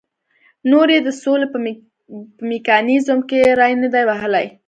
نور یې د سولې په میکانیزم کې ری نه دی وهلی.